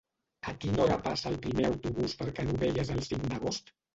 A quina hora passa el primer autobús per Canovelles el cinc d'agost?